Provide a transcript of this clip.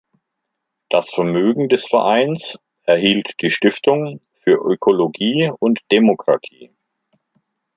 Das Vermögen des Vereins erhielt die Stiftung für Ökologie und Demokratie.